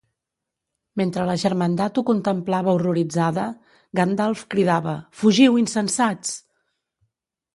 Mentre la germandat ho contemplava horroritzada, Gandalf cridava Fugiu, insensats!